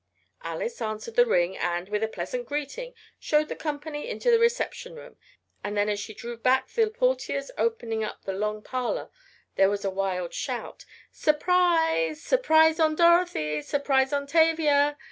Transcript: Alice answered the ring and, with a pleasant greeting, showed the company into the reception room, then, as she drew back the portiers opening up the long parlor there was a wild shout: "Surprise! Surprise on Dorothy! Surprise on Tavia!"